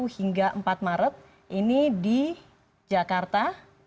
satu hingga empat maret ini di jakarta